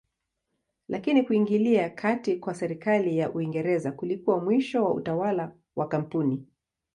Lakini kuingilia kati kwa serikali ya Uingereza kulikuwa mwisho wa utawala wa kampuni.